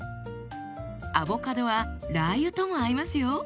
アボカドはラー油とも合いますよ。